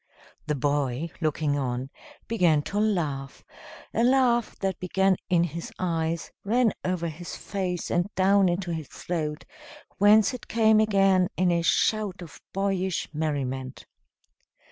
The boy, looking on, began to laugh, a laugh that began in his eyes, ran over his face and down into his throat, whence it came again in a shout of boyish merriment.